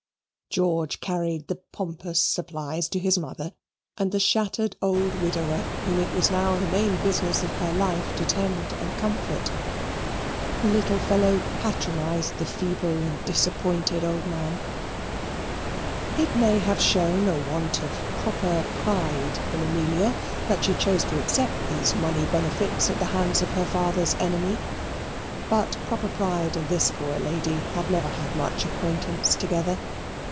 George carried the pompous supplies to his mother and the shattered old widower whom it was now the main business of her life to tend and comfort. The little fellow patronized the feeble and disappointed old man. It may have shown a want of "proper pride" in Amelia that she chose to accept these money benefits at the hands of her father's enemy. But proper pride and this poor lady had never had much acquaintance together.